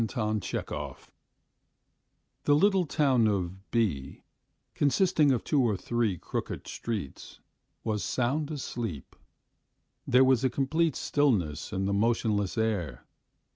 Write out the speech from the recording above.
THE CHEMIST'S WIFE THE little town of B , consisting of two or three crooked streets, was sound asleep. There was a complete stillness in the motionless air.